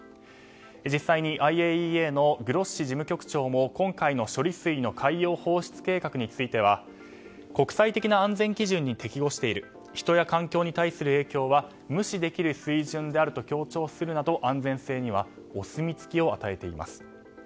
実際にＩＡＥＡのグロッシ事務局長も今回の処理水の海洋放出計画については国際的な安全基準に適合している人や環境に対する影響は無視できる水準であると強調するなど安全性にお墨付きを与えています。